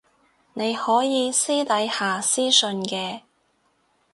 你可以私底下私訊嘅